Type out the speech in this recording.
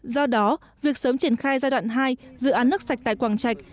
do đó việc sớm triển khai giai đoạn hai dự án nước sạch tại quảng trạch